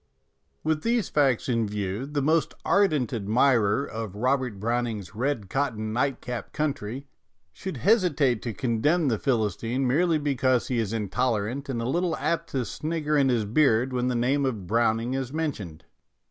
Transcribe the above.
With these facts in view, the most ardent admirer of Robert Browning's " Red Cotton Nightcap Country " should hesitate to con demn the Philistine merely because he is intolerant and a little apt to snigger in his beard when the name of Browning is men tioned.